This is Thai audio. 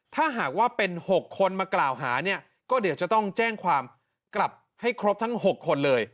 ถ้าหากว่าเป็น๖คนมากล่าวหาเนี่ยก็เดี๋ยวจะต้องแจ้งความกลับให้ครบทั้ง๖คนเลย